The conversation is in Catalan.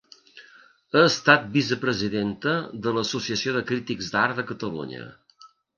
Ha estat vicepresidenta de l'Associació de Crítics d'Art de Catalunya.